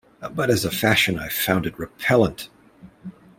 But as a fashion I found it repellent.